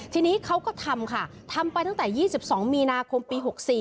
ทีนี้เขาก็ทำค่ะทำไปตั้งแต่๒๒มีนาคมปี๖๔